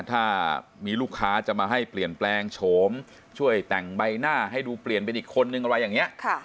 ถ้ามีลูกค้าจะมาให้เปลี่ยนแปลงโฉมช่วยแต่งใบหน้าให้ดูเปลี่ยนเป็นอีกคนนึงอะไรอย่างนี้